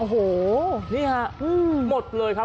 โอ้โหนี่ฮะหมดเลยครับ